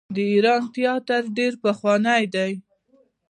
د ایران تیاتر ډیر پخوانی دی.